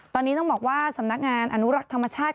ตอนนี้ต้องบอกว่าสำนักงานอนุรักษ์ธรรมชาติ